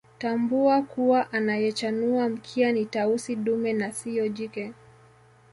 Tambua kuwa anayechanua mkia ni Tausi dume na siyo jike